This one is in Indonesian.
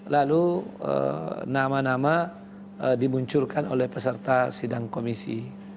lalu nama nama dimunculkan oleh peserta sidang komisi